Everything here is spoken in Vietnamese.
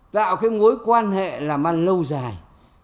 tạo cái mối quan hệ làm ăn lâu dài